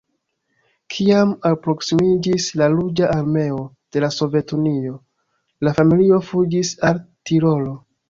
Kiam alproksimiĝis la Ruĝa Armeo de la Sovetunio, la familio fuĝis al Tirolo.